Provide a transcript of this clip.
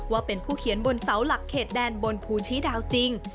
ว่าเป็นผู้เขียนบนเสาหลักเขตแดนบนภูชีดาวจริง